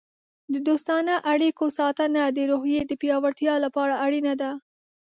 د دوستانه اړیکو ساتنه د روحیې د پیاوړتیا لپاره اړینه ده.